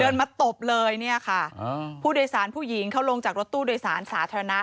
เดินมาตบเลยเนี่ยค่ะอ่าผู้โดยสารผู้หญิงเขาลงจากรถตู้โดยสารสาธารณะ